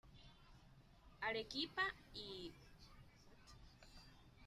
Arequipa y Av.